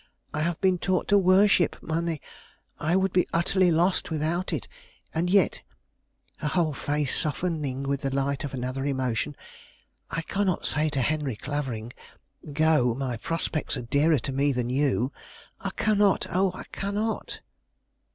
I have been taught to worship money. I would be utterly lost without it. And yet" her whole face softening with the light of another emotion, "I cannot say to Henry Clavering, 'Go! my prospects are dearer to me than you!' I cannot, oh, I cannot!"